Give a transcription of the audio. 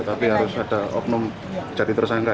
tapi harus ada oknum jadi tersangka